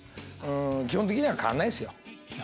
基本的には変わらないですよ。